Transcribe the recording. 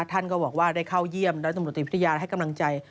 ท่านก็บอกว่าได้เข้าเยี่ยมร้อยตำรวจตรีพิทยาให้กำลังใจ